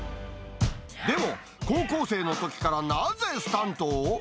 でも、高校生のときから、なぜスタントを？